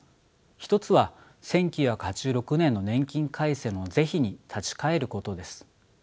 一つは１９８６年の年金改正の是非に立ち返ることです。